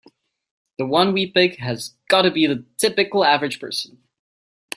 The one we pick has gotta be the typical average person.